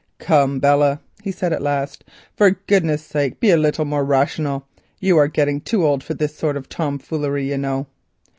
"Come, Belle," he said at last, "for goodness' sake be a little more rational. You are getting too old for this sort of tomfoolery, you know."